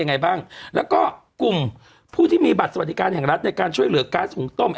ยังไงบ้างแล้วก็กลุ่มผู้ที่มีบัตรสวัสดิการแห่งรัฐในการช่วยเหลือก๊าซหุงต้ม